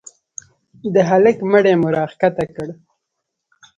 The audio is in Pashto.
د هلك مړى مو راكښته كړ.